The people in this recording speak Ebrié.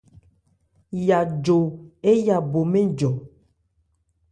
Yajó éya bo mɛ́n njɔ.